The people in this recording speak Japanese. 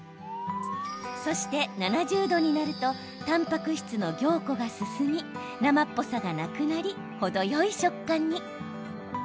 そして、７０度になるとたんぱく質の凝固が進み生っぽさがなくなり程よい食感に。